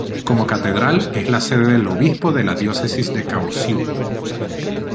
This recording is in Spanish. Como catedral, es la sede del obispo de la Diócesis de Kaohsiung.